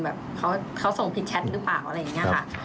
แบบเขาส่งผิดแชทหรือเปล่าอะไรอย่างนี้ค่ะ